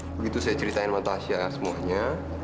begitu saya ceritain sama asia semuanya